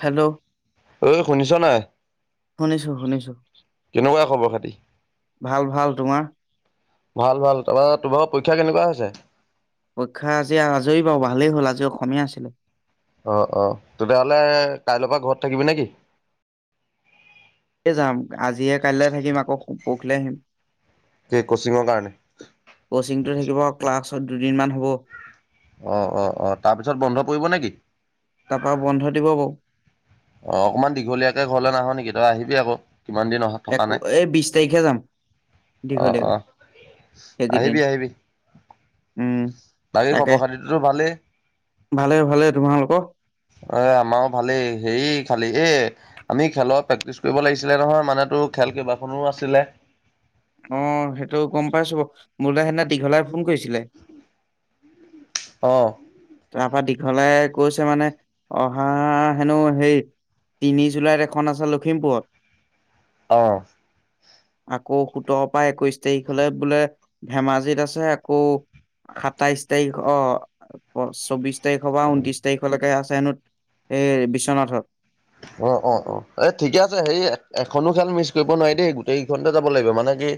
Hello অ, শুনিছ নাই? শুনিছো -শুনিছো কেনেকুৱা খবৰ খাতি? ভাল- ভাল। তোমাৰ? ভাল- ভাল। তাৰ পৰা তোমাৰ পৰীক্ষা কেনেকুৱা হৈছে? পৰীক্ষা আজি আজৰি বাৰু। ভালেই হ'ল আজি অসমীয়া আছিলে। অ-অ, তেতিয়াহ'লে কাইলৈ পৰা ঘৰত থাকিবি নেকি? যাম। আজিহে কাইলৈ থাকিম আকৌ পৰহিলৈ আহিম। কি কচিঙৰ কাৰণে? কচিংটো থাকিব ক্লাছত দুদিনমান হব। অ-অ-অ তাৰপিছত বন্ধ পৰিব নেকি? তাৰপা বন্ধ দিব বাৰু অ, অকনমান দীঘলীয়াকে ঘৰলে নাহ নেকি? তই আহিবি আকৌ। কিমান দিন অহাত থকা একো নাই। এই বিশ তাৰিখে যাম দীঘলীয়াকে অ-অ সেইকেইদিন আহিবি - আহিবি। উম বাকী তাকে খবৰ খাতিটোতো ভালেই। ভালে ভালে তোমালোকৰ এই আমাৰো ভালেই। হেৰি খালি এই আমি খেলৰ প্ৰেক্টিচ কৰিব লাগিছিলে নহয় মানুহটো খেল কেইবাখনো আছিলে। মোৰলৈ সেইদিনা দীঘলাই ফোন কৰিছিলে। অঁ। তাৰ পৰা দীঘলে কৈছে মানে অহা হেনো হেৰি। তিনি জুলাইত এখন আছে লখিমপুৰত। অ' আকৌ সোতৰ পৰা একৈশ তাৰিখলৈ বোলে ধেমাজিত আছে আকৌ,। সাতাইশ তাৰিখ অ, অ, চৌবিশ তাৰিখৰ বা ঊনত্ৰিশ তাৰিখলৈকে আছে হেনো এই বিশ্বনাথত অ- অ -অ এই ঠিকে আছে হে এখনো খেল মিচ কৰিব নোৱাৰি দেই, গোটেই কেইখনতে যাব লাগিব মানে কি?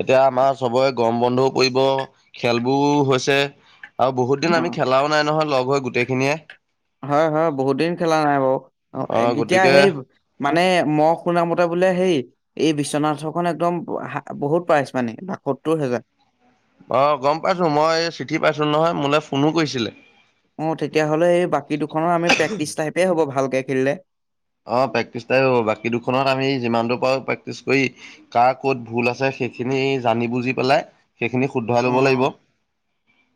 এতিয়া আমাৰ চবৰে গম বন্ধও পৰিব খেলবোৰ হৈছে। আৰু বহুত দিন অ আমি খেলাও নাই নহয় লগ হৈ গোটেইখিনিয়ে। হয় -হয় বহুত দিন খেলা নাই বাৰু। অ, এতিয়া সেই মানে মই শুনামতে বোলে সেই এই বিশ্বনাথ খন একদম বহুত পাইছ মানে বাসত্তৰ হেজাৰ। অ, গম পাইছো মই চিঠি পাইছো নহয় মোলৈ ফোনো কৰিছিলে। অ, তেতিয়া হ'লে এই বাকী দুখনৰ আমি প্ৰেক্টিচ টাইপেই হ'ব ভালকে খেলিলে। অ, প্ৰেক্টিচ হ'ব। বাকী দুখনত আমি যিমান দূৰ পাৰো প্ৰেক্টিছ কৰি কাৰ ক'ত ভুল আছে সেইখিনি জানি বুজি পেলাই, সেইখিনি শুধৰাই অ লব অ লাগিব।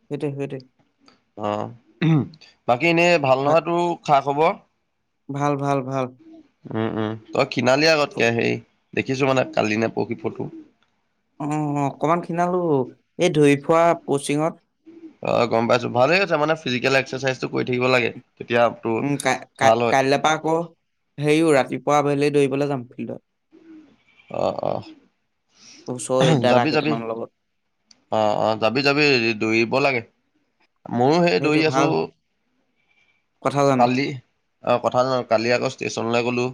সেইটোৱে সেইটোৱে আহ, বাকী এনেই ভাল নোহোৱাটো খা খবৰ। ভাল -ভাল -ভাল উম, উম, তই খিনালি আগতকে সেই দেখিছো মানে কালি নে পৰহি ফটো অ', থোৱা পচিঙত। অ, গম পাইছো ভালে হৈছে, মানে ফিজিকেল এক্সাচীজ কৰি থাকিব লাগে। তেতিয়া তোৰ উম, ক, ক, ভাল হয় কাইলৈ পৰা আকৌ হেৰিও ৰাতিপুৱা আবেলি দৌৰিবলৈ যাম ফিল্ডত। আহ, অ। ওচৰৰে দাদা যাবি যাবি, কেইটামানৰ লগত অ, অ, যাবি -যাবি হে দৰিব লাগে। ময়ো সেই সেইটোৱে দৌৰি আছোঁ। ভাল কথা জানো কালি অ' কথা জানো কালি আকৌ ষ্টেচনলৈ গ'লো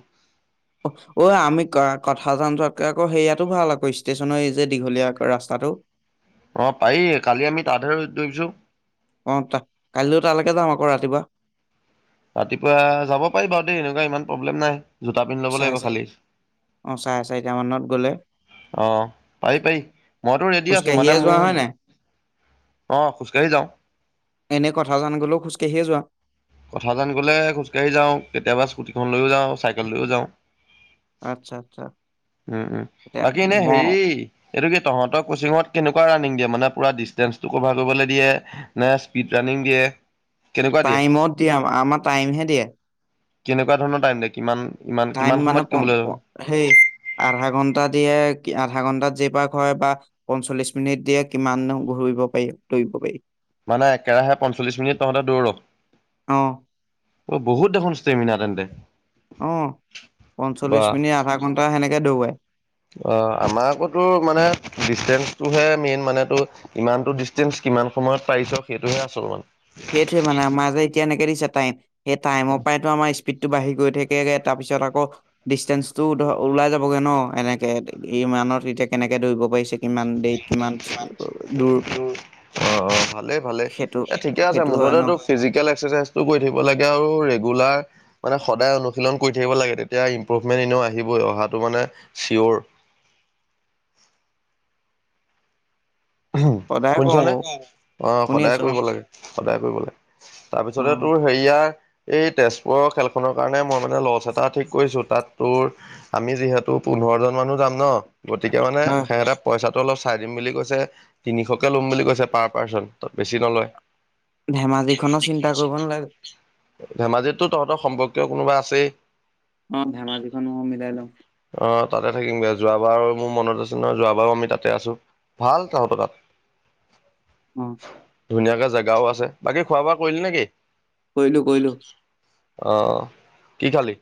অ' আমি কথা জান চোৱাতকে আকৌ সেইয়াতো ভাল আকৌ ষ্টেচনৰ এই যে দীঘলীয়া ৰাস্তা [inaudible] অ পাৰি কালি আমি তাতহে ৰ ধৰিবিছো পৰা ৰাতিপুৱা ৰাতিপুৱা যাব পাৰি বাৰু দেই এনেকুৱা ইমান প্ৰব্লেম নাই জোতা পিন্ধি ল'ব চাৰে লাগিব চাৰি খালি। অ চাৰে চাৰিটা মানত গ'লে অ' পাৰি পাৰি মইতো ৰেডি আছো মানে মোৰ অ', খোজকাঢ়ি যাওঁ। এনে কথা জান গলেও খোজকাাঢ়িয়ে যোৱা কথা জান গলে খোজকাঢ়ি যাওঁ কেতিয়াবা স্কুটিখন লৈয়ও যাওঁ চাইকেল লৈয়ও যাওঁ আচ্ছা আচ্ছা উম উম এতিয়া বাকী এনেই ম হেৰি এইটো কি তহঁতৰ কচিঙত কেনেকুৱা ৰাণনিং দিয়ে মানে পুৰা ডিষ্টেন্ঞ্চটো কভাৰ কৰিবলৈ দিয়ে নে স্পীড ৰা দিয়ে কেনেকুৱা দিয়ে টাইমত দিয়ে আমাৰ টাইমহে দিয়ে কেনেকুৱা ধৰণৰ টাইম দে কিমান ইমান টাইম কিমান মানে সময়ত প কৰিবলৈ সেই আধা ঘন্টাত দিয়ে আধা ঘন্টাত যেই পাক হয় পঞ্চল্লিশ মিনিট দিয়ে কিমান ঘূৰিব পাৰি দৌৰিব পাৰি মানে একেৰাহে পঞ্চল্লিশ মিনিট তহঁতে দৌৰ অ' বহুত দেখোন ষ্টেমিনাাৰ তেন্তে অ বা 'পঞ্চল্লিশ মিনিট আধা ঘন্টা সেনেকে দৌবাই অ' আমাৰ আকৌ টোৰ মানে ডিচেঞ্চটোহে মেইন মানো ইমানতটো ডিচেঞ্চ কিমান সময়ত পাৰিছ সেইটোহে আচল মানে। সেইটোৱে মানে আমাৰ যে এতিয়া এনেকে দিছে টাইম সেই টাইমৰ পৰায়ে আমাৰ স্পীদ টো বাঢ়ি গৈ থাকেগে তাৰ পিছত আকৌ ডিসট্যান্সটো ওলাই যাবগে ন এনেকে কিমানত এতিয়া কেনেকে ধৰিব পাৰিছে। কিমান দেৰিত কিমান দূৰ সেইটো থিকে আছে সেইটো হয় মুঠতে ন তোক ফিজিকেল একচাৰচাইজ টো কৰি থাকিব লাগে আৰু ৰেগুলাৰ বা মানে সদায় অনুশীলন কৰি থাকিব লাগে তেতিয়া ইমপ্ৰুভমেন্ট এনেও আহিবই অহাটো মানে চিয়ৰ। [inaudible] সদায় কওঁ শুনিছনে? বাৰু অ' শুনি সদায় আছো কৰিব লাগে সদায় কৰিব লাগে। অ অ তাৰপিছতে তোৰ হেৰিয়া এই তেজপুৰৰ খেল খনৰ কাৰণে মই মানে লছ এটা ঠিক কৰিছোঁ তাত তোৰ আমি যিহেতু পু পোন্ধৰজন মানুহ যাম ন' গতিকে মানে হয় হয় সিহঁতে পইচাটো অলপ চাই দিম বুলি কৈছে। তিনিশকে ল'ম বুলি কৈছে পাৰ পাৰ্চন ত' বেছি নলয়। ধেমাজিখনো চিন্তা কৰিব নালাগে। ধেমাজিততো তহঁতৰ সম্পৰ্কীয় কোনোবা আছেই। অ', ধেমাজিখনো মিলাই লম। অ', তাতে থাকিম দে যোৱাবাৰ মোৰ মনত আছে ন' যোৱাবাৰো আমি তাতে আছোঁ, ভাল তাহঁতৰ তাত। [inaudible] অ', ধুনীয়াকে জেগাও আছে, বাকী খোৱা বোৱা কৰিলি নেকি? কৈলো, কৈলোঁ, অ', কি খালি?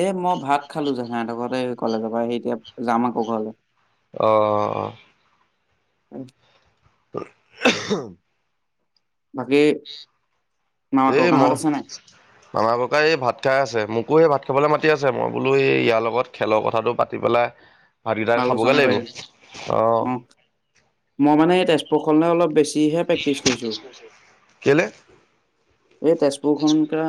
এহ মই ভাত খালোঁ জেথাইহঁতৰ ঘৰতেই কলেজৰ পৰা আহি এতিয়া যাম আকৌ ঘৰলে। অ', [unintelligible] [unintelligible] বাকী মামা এহ ম, ককাহঁত আছে নাই মামা ককাই এই ভাত খাই আ ছে মোকো সেই ভাত খাবলৈ মাতি আছে মই বোলো সেই ইয়াৰ লগত খেলৰ কথাটো পাতি পেলাই ভাতকেইটা খাবগে আলোচনা লাগিব কৰি, অ, মই মানে এই তেজপুৰখনলে অলপ বেছি যিহে প্ৰেক্টিচ কৰিছোঁ। কেলে এই তেজপুৰখন [unintelligible]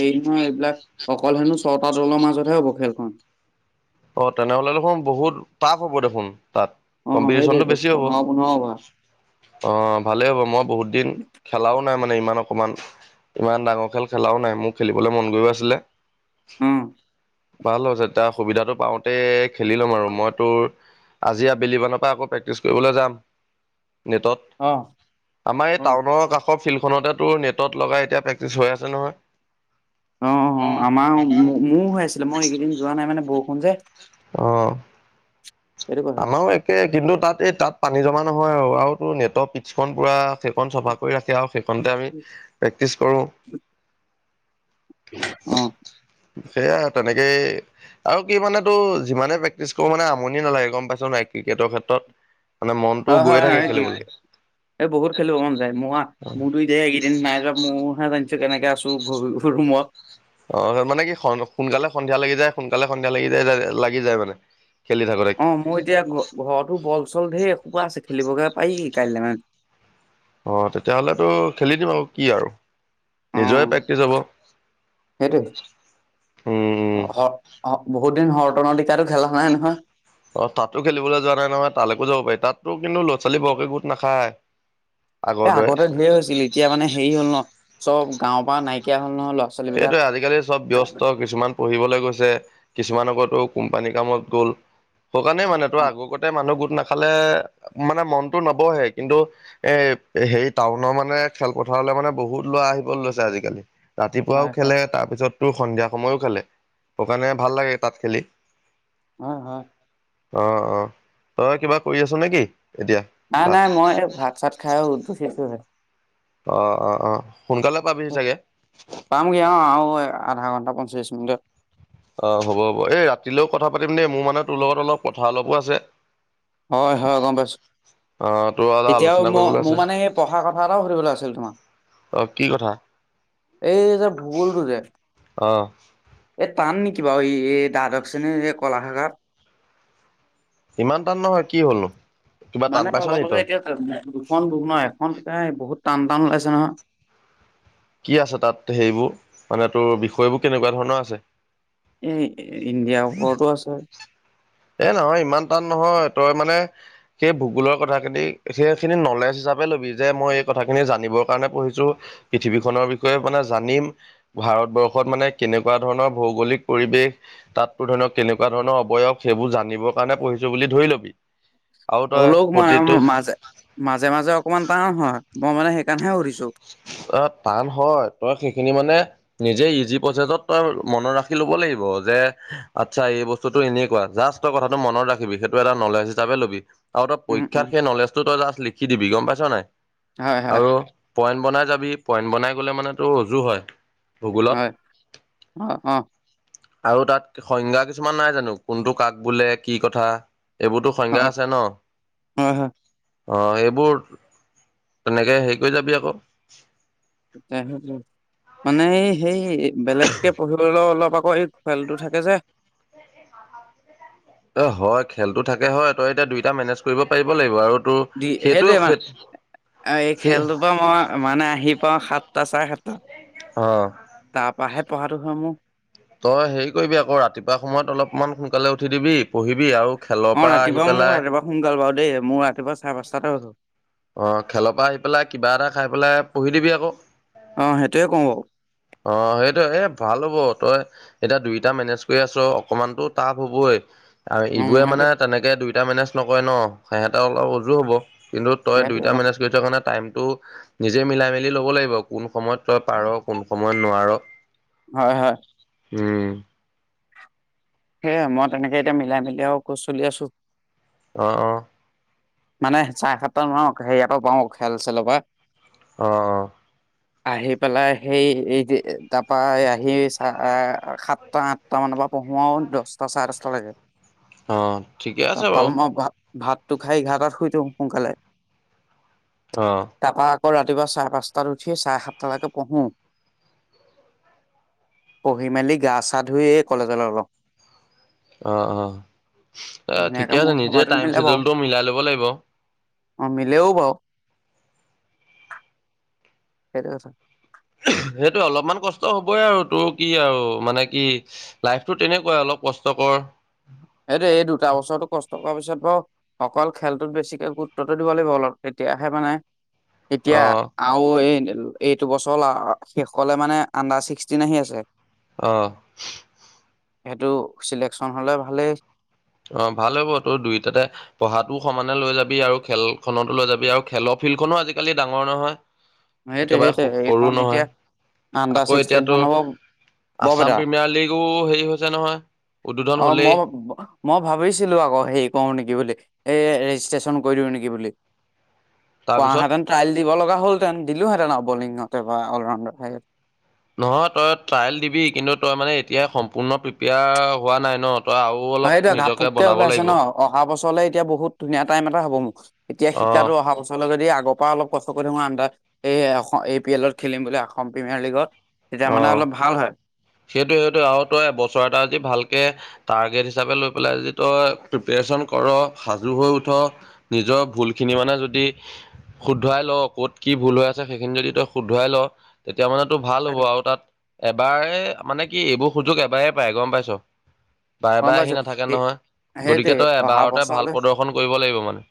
হেৰি নহয় এইবিলাক অকল হেনো ছটা দলৰ মাজতহে হ'ব খেলখন। অ', তেনেহ'লে দেখোন বহুত পাপ হ'ব দেখোন। তাত, অ কম্পিটিশনটো সেইটোৱেতো বেছি হ'ব। পোন্ধৰ পোন্ধৰ অভাৰ অ', ভালে হ'ব মই বহুত দিন, খেলাও নাই মানে ইমান অকমান, ইমান ডাঙৰ খেল খেলাও নাই মোক খেলিবলৈ মন গৈও আছিলে। উম ভাল হৈছে এতিয়া সুবিধাটো পাওঁতে, খেলি লম আৰু মই তোৰ আজি আবেলি মানৰ পৰা আকৌ প্ৰেক্টিছ কৰিবলৈ যাম। নেটত, অ আমাৰ এই অ টাউনৰ কাষৰ ফিল্ড ফোনতে তোৰ নেটত লগাই এতিয়া প্ৰেক্টিচ হৈ আছে নহয়। অ', অ, আমাৰ মোৰ হৈ আছিলে মই এইকেইদিন যোৱা নাই মানে বৰষুণ যে। অ', সেইটো কথা আমাৰো একে কিন্তু তাত এই তাত পানী জমা নহয় আৰু আৰু ত' নেটৰ [unintelligible] পুৰা সেইখন চফা কৰি ৰাখে। [unintelligible] সেইখনতে আমি, প্ৰেক্টিছ কৰোঁ। অ সেয়া এটা [unintelligible] এহ, আৰু কি মানে তো যিমানে প্ৰেক্টিচ কৰো মানে আমনি [unintelligible] পাছোঁ নাই ক্ৰিকেটৰ ক্ষেত্ৰত। মানে মনটো অ', গৈয়ে হয় থাকে খেলিবলৈ। [unintelligible] এই বহুত খেলিব মন যায় মোৰ হা, দে এইকেইদিন নাই যোৱা [unintelligible] কেনেকে আছো ঘ ৰুমত অ মানে কি সোনকালে সন্ধিয়া লাগি যায় সোনকালে সন্ধিয়া লাগি যায় লাগি যায় মানে খেলি থাকোঁতে অ মই এতিয়া ঘ ঘৰতো বল চল ঢেৰ ক আছে খেলিিবকা পকি কাইলৈ মানে অ তেতিয়াহ'লেতো খেলি দিম আৰু কি আৰু নিজৰে অ', প্ৰেক্টিচ হব সেইটোৱে উম উ অ বহুত দিন হৰটন টিকাো খেলা নাই নহয় অ তাতো খেলিবলৈ যোৱা নাই নহয় তালৈকো যাব পাৰি তাতো কিন্তু ল'ৰা ছোৱালী বৰকে গোট নাখায় আগৰ এ দৰে আগতে ধঢেৰে হৈছিল এতিয়া মানে হেৰি হ'ল ন চব গাও প পৰা নাইকিয়া হ'ল নহয় ল'ৰা ছোৱালী বিলাক। সেইটয়ে আজিকালি চব ব্য্স্ত কিছুমান পঢ়িবলৈ গৈছে কিছুমান আগত কোম্পানী কামত গ'ল স কাৰণে মানে তো অ', আগৰ কতে মানুহ গ নাখালে মানে মনতটো নবহে কিন্তু এ হে টাউনৰ মানে খেলপথাৰ লে মানে বহুত ল'ৰা আহিব লৈছে আজিকালি ৰাতিপুৱাও হয়, হয়, খেলে তাৰপিছততো সন্ধিয়া সময়ো খেলে সেইকাৰণে ভাল লাগে তাত খেলি হয়, হয়, অ অ তই কিবা কৰি আছ নেকি এতিয়া নাই তাত নাই মই ভাত চাত খাই উদ্ধো সেইটোহে অ অ অ সোনকালে পাবিহি চাগে পামগৈ অ আৰু আধা ঘন্টা পঞ্চলিশ মিনিটত অ হ'ব হ'ব এই ৰাতিলৈও কথা পাতিম দেই মোৰ মানে তোৰ লগত অলপ কথা অলপো আছে হয় হয় গম পাইছো অ', তোৰ অলপ এতিয়াও আলোচনা ম কৰিবলৈ মোৰ আছে। মানে সেই পঢ়া কথা এটাও সুধিবলৈ আছিল ম অ কি কথা এই যে ভূগোলটো যে অ', এ টান নেকি বাৰু এই এই দ্বাদশ শ্ৰেণীৰ এই কলা শাখাত ইমান টান নহয় কি হলো কিবা টান মানে পাইছ নি তই ত বহুত টান টান ওলাইছে নহয় কি আছে তাত সেইবোৰ মানে তোৰ বিষয়বোৰ কেনেকুৱা ধৰণৰ আছে এ ইণ্ডিয়াৰ ওপৰতো আছে এ নহয় ইমান টান নহয় তই মানে সেই ভূগোলৰ কথাখিনি সেইখিনি নলেজ হিচাপে লবি যে মই এই কথাখিনি জানিবৰ কাৰণে পঢ়িছো য' পৃথিৱীখনৰ বিষয়ে মানে জানিম ভাৰতবৰ্ষত মানে কেনেকুৱা ধৰণৰ ভৌগলিক পৰিৱেশ তাতো ধৰি লক কেনেকুৱা ধৰণৰ অবয়স সেইবোৰ জানিবৰ কাৰণে পঢ়িছো বুলি ধৰি লবি আৰু তই হলেও ম প্ৰতিটো মাজে মাজে মাজে অকমান টান হয় মই মানে সেইকাৰণেহে সুধিছো অ টান হয় তই সেইখিনি মানে নিজে ইজি প্ৰচেছত তই মনত ৰাখি ল'ব ব লাগিব যে আচ্ছা এই বস্তুতটো এনেকুৱা জাষ্ট তই কথাটো মনত ৰাখিবি সেইটো এটা নলেজ হিচাপে লবি আৰু তই উম উম পৰীক্ষাত সেই নলেজো তই জাষ্ট লিখি দিবি গম পাইছ নাই হয় হয় আৰু পইণ্ট বনাই যাবি পইণ্ট বনাই গ'লে মানে তটো ৰজু হয় ভূগোলত হয় অ অ আৰু তাত সংজ্ঞা কিছুমান নাই জানো কোনটো কাক বোলে কি কথা এইবোৰতো সংজ্ঞা হয় আছে ন অ এইবোৰ তেনেকে হেৰি কৰি যাবি আকৌ তে হলে মানে সেই বেলেগকে পঢ়িবলৈ অলপ আকৌ এই খেলটো থাকে যে এ হয় খেলতো থাকে হয় তই এতিয়া দুইটা মেনেজ কৰিব পাৰিব লাগিব আৰু ত সেইটোও সেই অ এই খেলটোৰ পৰা মই মানে আহি পাওঁ সাতটা চাৰ ক্ষেত্ৰত অ তাৰ পৰাাহে পঢ়াটো হয় মোৰ তই হেৰি কৰিবি আকৌ ৰাতিপুৱা সময়ত অলপমান সোনকালে উঠি দিবি পঢ়িবি আৰু খেলৰ অ' পৰা আহি ৰাতিপুৱা মোৰ পেলাই ৰাতিপুৱা সোনকাল বাৰু দেই মোৰ ৰাতিপুৱা চাৰে পাঁচটাতে উঠো। অ পঢ়িদিবি আকৌ অ' সেইটোয়ে কওঁ বাৰু। অ', সেইটো এ ভাল হ'ব তই এতিয়া দুইটা মেনেজ কৰি আছ অকমানতো টাফ হ'বই। আৰু উম এইবোৰে মানে সেইটোৱে তেনেকে দুইোটা মেনেজ নকৰে ন সিহঁতে অলপ উজো হ'ব। কিন্তু তই সেইটোৱে দুইটা কওঁ মেনেজ কৰি আছ কাৰণে টাইম টো নিজে মিলাই মেলি ল'ব লাগিব কোন সময়ত তই পাৰ কোন সময়ত নোৱাৰ। হয়, হয়। উম। সেয়ে মই তেনেকে এতিয়া মিলাই মেলি আৰু কৰি চলি আছো। অ', অ'। মানে চাৰে সাতটা [unintelligible] পাওঁ খেল চেলৰ পৰা অহ। আহি পেলাই সেই এই যে তাৰাপা আহি চা সাতটা আঠটা মান ত পঢ়ো আৰু দশটা চাৰে দশটা লৈকে। অ ঠিকে আছে তাৰপা বাৰু অলপ ভা ভাত তটো খাই এঘাৰটাত শুই দিওঁ সোনকালে। আহ। তাৰপা আকৌ ৰাতিপুৱা চাই পাঁচটাত উঠি চাৰে সাতটালৈকে পঢ়ো। পঢ়ি মেলি গা চা ধুইে কলেজলৈ ওলাওঁ। অ', অ' আহ ধুনীয়াকে ঠিকে আছে মোৰ নিজে সময়টো টাইম মিলে বাৰু চেডুলটো মিলাই ল'ব লাগিব। অ', মিলেও বাৰু। সেইটো আছ [unintelligible] সেইটোয়ে অলপমান কষ্ট হ'বই আৰু তোৰ কি আৰু মানে কি লাইফতো তেনেকুৱাই অলপ কষ্ট কৰ সেইটো এই দুটা বছৰতো কষ্ট টকা পিছত বাৰু অকল খেলটোত বেছিকে গুৰুত্বতটো দিব লাগিব অলপ তেতিয়াহে মানে এতিয়া অ', আৰু এই এইটো বছৰ শেষ হলে মানে আণ্ডাৰ ছিক্সটিন আহি আছে। আহ। সেইটো চিলেকচন হ'লে ভালেই। অ', ভাল হব তই দুইটাতে পঢ়াতও সমানে লৈ যাবি আৰু খেলখনতো লৈ যাবি আৰু খেলৰ ফিল্ডখনো আজি কালি ডাঙৰ নহয়। সেইটোৱে একেবাৰে সেইটোৱে সৰু এইখন এতিয়া নহয়। আণ্ডাৰ আকৌ এতিয়াতো ছিক্সটিনখন হ'ব আছাম বৰপেটা প্ৰিমিয়াৰ লীগো হেৰি হৈছে নহয় উদ্বোধন অ হ'লেই। মই মই ভাবিছিলো আকৌ হেৰি কৰো নেকি বুলি এই ৰেজিষ্ট্ৰেশ্যন কৰি দিওঁ নেকি বুলি। তাৰপিছত কোৱাহেঁতেন ট্ৰাইেল দিব লগা হ'লহেতেন দিলোহেতেন বলিঙতে বা অলৰাউণ্ডাৰ নহয় তই ট্ৰাইেল দিবি কিন্তু তই মানে এতিয়া সম্পূৰ্ণ প্ৰিপেয়াৰ হোৱা নাই ন। তই আৰু অলপ এইটো ঘাপ নিজকে ফুককে বনাব ওলাইছে লাগিব ন অহা বছৰলে এতিয়া বহুত ধুনীয়া টাইম এটা হ'ব মোক এতিয়া অ শিক্ষা অহা বছৰলে যদি আগৰ পৰা অলপ কষ্ট কৰি থাকো আডাৰ এই এ পি এলত খেলিম বুলি অসম প্ৰিমিয়াৰ লীগত তেতিয়া মানে অলপ ভাল হয়। সেইটো সেইটো আৰু তই বছৰ এটি ভালকে টাৰ্গেট হিচাপে লৈ পেলাই যদি তই কৰ সাজু হৈ উঠ নিজৰ ভুলখিনি মানে যদি শুদ্ধৱাই ল ক'ত কি ভুল হৈ আছে সেইখিনি যদি তই শুদ্ধৱাই ল তেতিয়া মানেতো ভাল হ'ব আৰু তাত এবাৰে মানে কি এইবোৰ সুযোগ এবাৰ পায় গম পাইছ। বাৰে গম বাৰে পাইছো আহি নাথাকে নহয়। সেইটোৱে গতিকে তই অহা এবাৰতে ভাল বছৰলে প্ৰদৰ্শন কৰিব লাগিব মানে।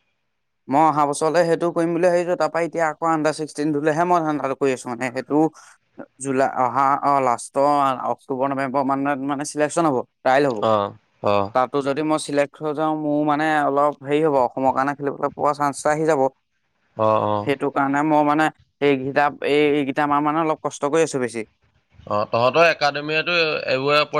মই অহা বছৰ সেইটো কৰিম বুলি ভাবিছো তাৰ পৰা এতিয়া আক [unintelligible] কৰি আছো মানে সেইটো জুলাই অহা অ' লাষ্টৰ অক্টোবৰ [unintelligible] চিলেকচন হ'ব। ট্ৰাইল হ'ব। অ', অ, তাতো যদি মই চিলেক্ট হৈ যাওঁ মোৰ মানে অলপ হেৰি হ'ব অসমৰ কাৰণে খেলিবলৈ পোৱা চান্স এটা আহি যাব। অ', অ, সেইটো কাৰণে মই মানে এই কিতাপ এই এই কেটা মাহ মানে অলপ কষ্ট কৰি আছো বেছি। অ', তহঁতৰ একাডেমিয়েতো এইবোৰ অপ